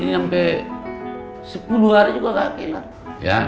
nanti sampai sepuluh hari juga gak kelar